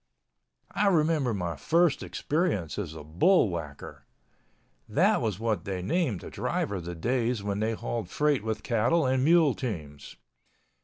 I remember my first experience as a bullwhacker—that was what they named a driver the days when they hauled freight with cattle and mule teams.